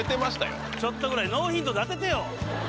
ちょっとぐらいノーヒントで当ててよ！